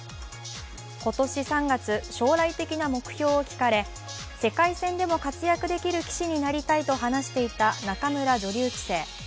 今年３月、将来的な目標を聞かれ、世界戦でも活躍できる棋士になりたいと話していた仲邑女流棋聖。